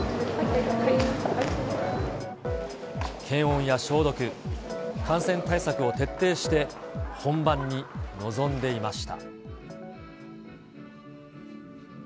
検温や消毒、感染対策を徹底して、本番に臨んでいました。